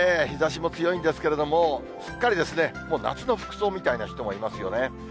日ざしも強いんですけれども、すっかり、もう夏の服装みたいな人もいますよね。